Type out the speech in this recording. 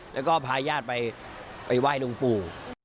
แล้วก็พาญาติไปไหว้หลวงปู่